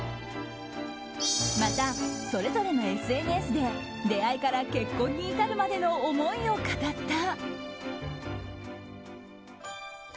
また、それぞれのＳＮＳで出会いから結婚に至るまでの思いを語った。